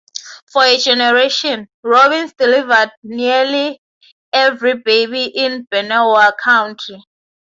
For a generation, Robins delivered nearly every baby in Benewah County.